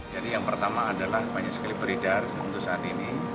jadi yang pertama adalah banyak sekali berita tentang keputusan ini